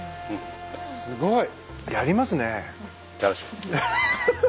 すごい。